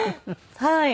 はい。